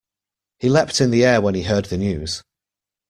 He leapt in the air when he heard the news.